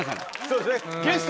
そうですね。